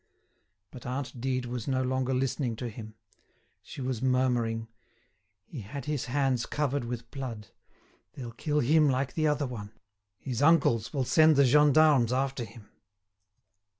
But aunt Dide was no longer listening to him. She was murmuring: "He had his hands covered with blood. They'll kill him like the other one. His uncles will send the gendarmes after him."